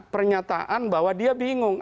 pernyataan bahwa dia bingung